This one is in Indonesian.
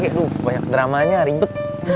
aduh banyak dramanya ribet